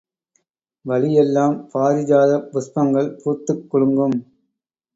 வழி எல்லாம் பாரிஜாத புஷ்பங்கள் பூத்துக் குலுங்கும்.